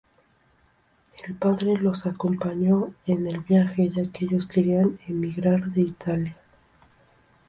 El padre los acompañó en el viaje, ya que ellos querían emigrar de Italia.